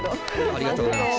ありがとうございます。